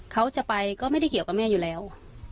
เขาจะไปก็ไม่ได้เกี่ยวกับแม่อยู่แล้ว